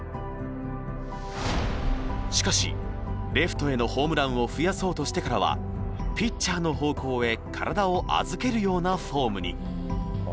しかしレフトへのホームランを増やそうとしてからはピッチャーの方向へ体を預けるようなフォームに。